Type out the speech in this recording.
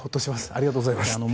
ありがとうございますと。